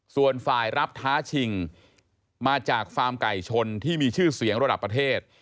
ส่วนฝ่ายรับท้าชิงมาจากฟาร์มไก่ชนที่มีชื่อเสียงระดับประเทศ